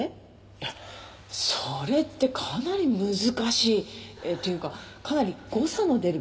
いやそれってかなり難しいっていうかかなり誤差の出る計算だよ？